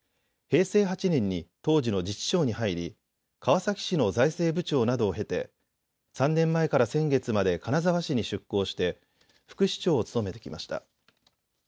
平成８年に当時の自治省に入り川崎市の財政部長などを経て３年前から先月まで金沢市に出向して副市長を務めてきました。